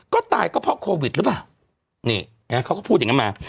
ก็ตายก็เพราะโควิดหรือเปล่านี่เขาก็พูดอย่างนั้นมา